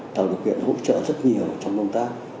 tạo điều kiện hỗ trợ rất nhiều trong công tác